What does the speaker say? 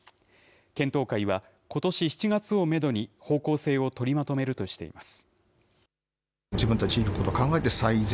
検討会はことし７月をメドに方向性を取りまとめるとしています。